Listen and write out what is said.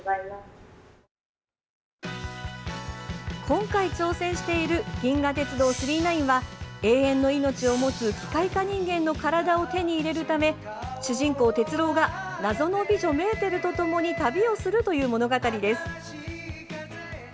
今回挑戦している「銀河鉄道９９９」は永遠の命を持つ機械化人間の体を手に入れるため主人公・鉄郎が謎の美女メーテルとともに旅をするという物語です。